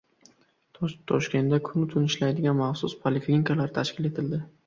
Toshkentda kunu tun ishlaydigan maxsus poliklinikalar tashkil etildi